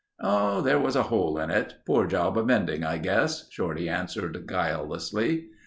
"Oh, there was a hole in it. Poor job of mending I guess," Shorty answered guilelessly.